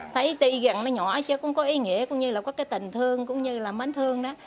thấy tị gần nó nhỏ chứ cũng có ý nghĩa cũng như là có cái tình thương cũng như là mến thương đó